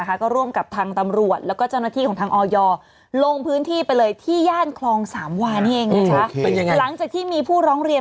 ดูแลแล้วก็ร่วมกับทางตำรวจแล้วก็เจ้าหน้าที่ของทางออย